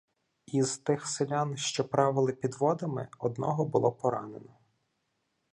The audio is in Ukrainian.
Із тих селян, що правили підводами, одного було поранено.